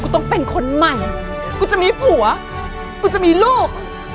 แรง